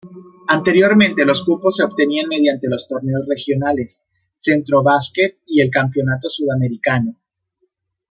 Anteriormente los cupos se obtenían mediante los torneos regionales: Centrobasket y el Campeonato Sudamericano.